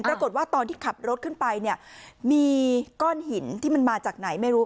ตอนที่ขับรถขึ้นไปเนี่ยมีก้อนหินที่มันมาจากไหนไม่รู้